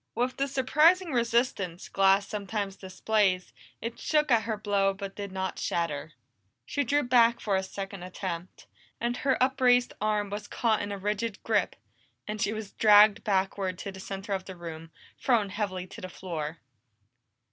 With the surprising resistance glass sometimes displays, it shook at her blow but did not shatter. She drew back for a second attempt, and her upraised arm was caught in a rigid grip, and she was dragged backward to the center of the room, thrown heavily to the floor.